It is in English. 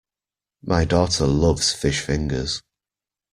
My daughter loves fish fingers